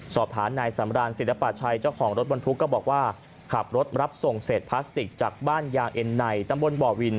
สอบถามนายสำรานศิลปะชัยเจ้าของรถบรรทุกก็บอกว่าขับรถรับส่งเศษพลาสติกจากบ้านยางเอ็นในตำบลบ่อวิน